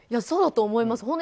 そうだと思います。